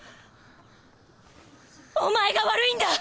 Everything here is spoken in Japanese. お前が悪いんだ！